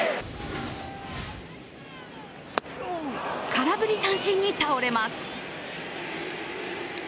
空振り三振に倒れます。